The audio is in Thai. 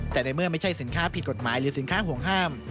แต่ในเมื่อไม่ใช่สินค้าผิดกฎหมายหรือสินค้าห่วงห้าม